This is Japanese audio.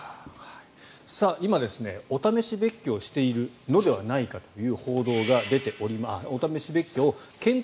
今、お試し別居を検討しているのではないかという報道が出ております。